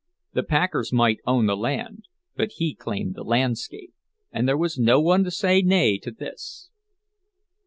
The packers might own the land, but he claimed the landscape, and there was no one to say nay to this.